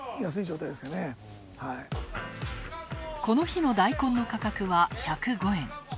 この日のダイコンの価格は１０５円。